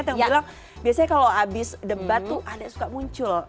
yang bilang biasanya kalau habis debat tuh ada yang suka muncul